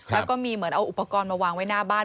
แล้วก็มีเหมือนเอาอุปกรณ์มาวางไว้หน้าบ้าน